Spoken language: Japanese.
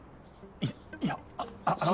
いいやあっあの。